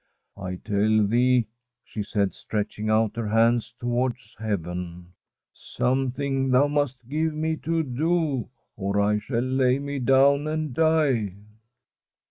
I tell Thee,' she said, stretching our her hands towards heaven, ' something Thou must give me to do, or I shall lay me down and die.